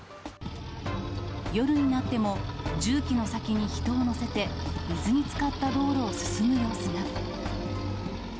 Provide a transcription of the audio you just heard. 夜になっても重機の先に人を乗せて、水につかった道路を進む様子が。